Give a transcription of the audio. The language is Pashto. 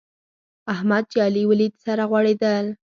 احمد چې علي وليد؛ سره غوړېدل.